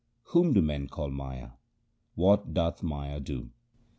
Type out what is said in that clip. Whom do men call Maya ? What doth Maya do